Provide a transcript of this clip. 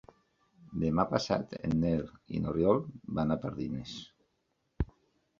Demà passat en Nel i n'Oriol van a Pardines.